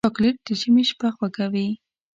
چاکلېټ د ژمي شپه خوږوي.